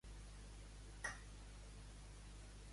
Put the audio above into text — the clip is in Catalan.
Marià Lorca i Bard és un polític i empresari nascut a Navata.